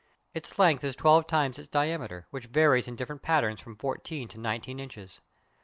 Its length is twelve times its diameter, which varies in different patterns from fourteen to nineteen inches.